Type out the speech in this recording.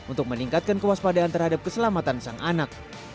untuk meningkatkan kewaspadaan terhadap keselamatan sang anak